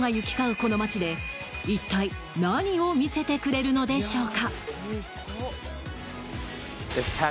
この街で一体何を見せてくれるのでしょうか。